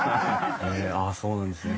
そうなんですね。